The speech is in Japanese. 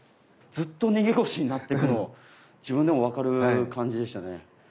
ずっと逃げ腰になってるの自分でも分かる感じでしたね。